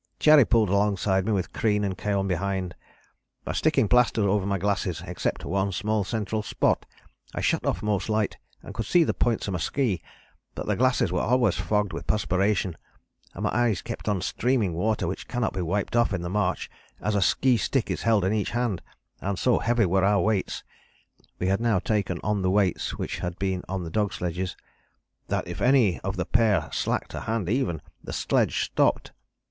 Cherry pulled alongside me, with Crean and Keohane behind. By sticking plaster over my glasses except one small central spot I shut off most light and could see the points of my ski, but the glasses were always fogged with perspiration and my eyes kept on streaming water which cannot be wiped off on the march as a ski stick is held in each hand; and so heavy were our weights [we had now taken on the weights which had been on the dog sledges] that if any of the pair slacked a hand even, the sledge stopped.